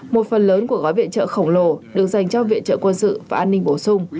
một phần lớn của gói viện trợ khổng lồ được dành cho viện trợ quân sự và an ninh bổ sung